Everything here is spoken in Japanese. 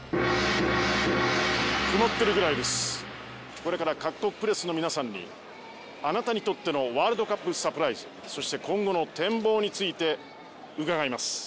これから各国プレスの皆さんにあなたにとってのワールドカップサプライズそして今後の展望について伺います。